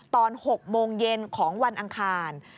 ตอน๖โมงเย็นของวันอังคาร